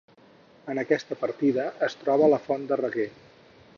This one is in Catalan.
En aquesta partida es troba la Font del Reguer.